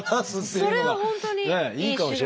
それは本当にいい手段。